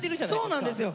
そうなんですよ！